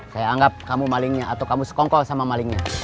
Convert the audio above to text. saya anggap kamu malingnya atau kamu sekongkol sama malingnya